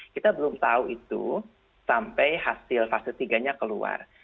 kita belum tahu itu sampai hasil fase tiga nya keluar